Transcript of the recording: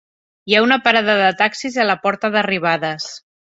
Hi ha una parada de taxis a la porta d'arribades.